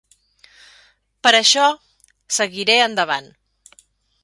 Per això, seguiré endavant.